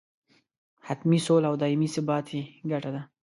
حتمي سوله او دایمي ثبات یې ګټه ده.